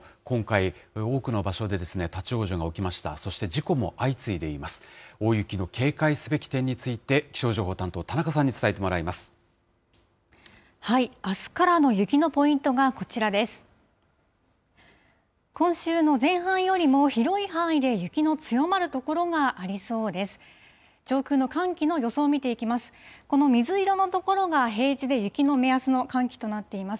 今週の前半よりも、広い範囲で雪の強まる所がありそうです。